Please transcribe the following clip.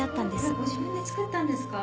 ご自分で作ったんですか？